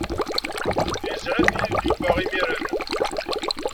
Yesɛef Yuba imir-n.